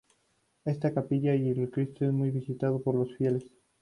Esta capilla y el Cristo es muy visitado por los fieles.